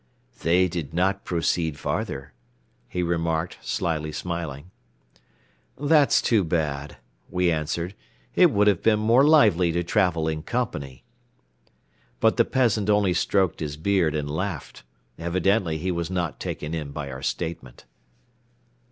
"They did not proceed farther," he remarked, slyly smiling. "That's too bad," we answered. "It would have been more lively to travel in company." But the peasant only stroked his beard and laughed. Evidently he was not taken in by our statement.